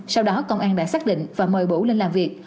sau đó công an đã xác định và mời bổ lên làm việc